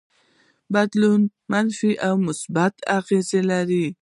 بدلون يې منفي او يا مثبت اغېز لري.